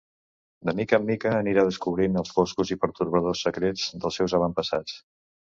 De mica en mica, anirà descobrint els foscos i pertorbadors secrets dels seus avantpassats.